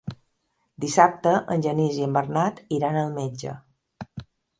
Dissabte en Genís i en Bernat iran al metge.